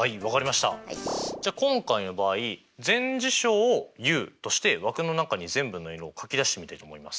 じゃあ今回の場合全事象をＵとして枠の中に全部の色を書き出してみたいと思います。